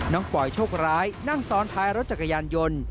ปล่อยโชคร้ายนั่งซ้อนท้ายรถจักรยานยนต์